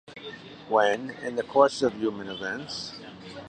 When in the Course of human events